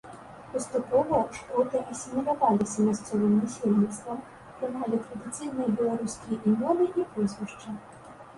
Паступова шкоты асіміляваліся мясцовым насельніцтвам, прымалі традыцыйныя беларускія імёны і прозвішчы.